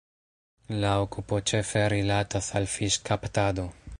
La okupo ĉefe rilatas al fiŝkaptado.